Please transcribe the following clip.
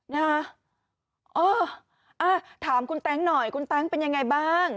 นะคะเอออ่ะถามคุณแต๊งหน่อยคุณแต๊งเป็นยังไงบ้าง